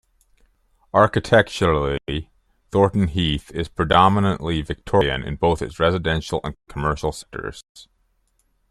Architecturally, Thornton Heath is predominantly Victorian in both its residential and commercial sectors.